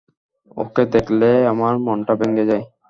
ওকে দেখলে আমার মনটা ভেঙে যায়।